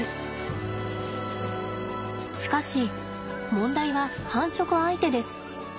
しかし問題は繁殖相手です。